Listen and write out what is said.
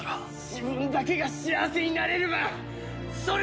自分だけが幸せになれればそれでいいのか！？